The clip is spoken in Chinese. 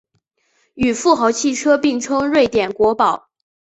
与富豪汽车并称瑞典国宝。